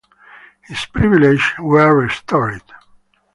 His privileges were restored.